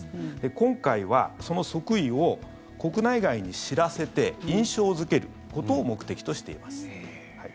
今回はその即位を国内外に知らせて印象付けることを目的としています。